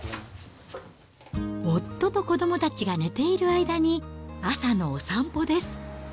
夫と子どもたちが寝ている間に、朝のお散歩です。